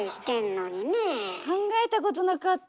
考えたことなかった！